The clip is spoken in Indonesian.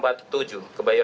dan di jalan imam bonjol